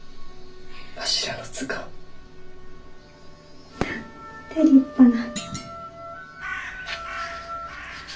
わしらの図鑑。なんて立派な。